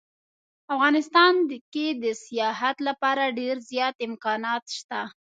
افغانستان کې د سیاحت لپاره ډیر زیات امکانات شته